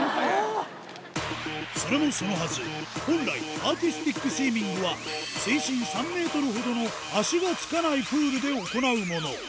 それもそのはず、本来、アーティスティックスイミングは、水深３メートルほどの足がつかないプールで行うもの。